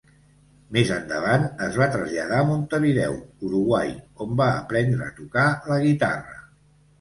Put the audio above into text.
Més endavant es va traslladar a Montevideo, Uruguai, on va aprendre a tocar la guitarra.